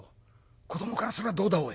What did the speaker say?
子どもからすればどうだおい。